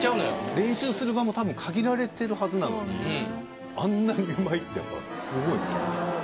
練習する場も多分限られてるはずなのにあんなにうまいってやっぱすごいっすね